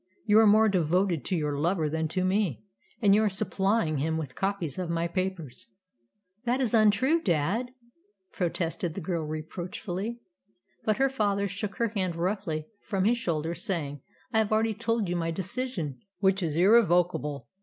You are more devoted to your lover than to me, and you are supplying him with copies of my papers." "That is untrue, dad," protested the girl reproachfully. But her father shook her hand roughly from his shoulder, saying, "I have already told you my decision, which is irrevocable.